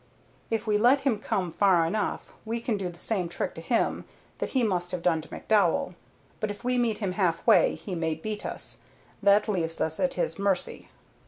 If we let him come far enough we can do the same trick to him that he must have done to McDowell; but if we meet him halfway, he may beat us. That leaves us at his mercy."